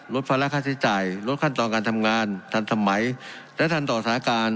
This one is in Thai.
ภาระค่าใช้จ่ายลดขั้นตอนการทำงานทันสมัยและทันต่อสถานการณ์